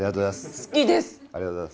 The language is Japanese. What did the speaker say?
好きです！